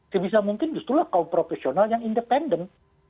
sebisa mungkin justru kaum profesional yang independen